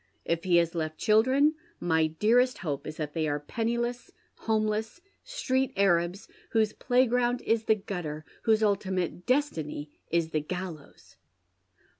If he has left children, my dearest hope is that they are penniless, homeless, street Arabs, whose playgrouud is the gutter, whose ultimate destiny is the gallows."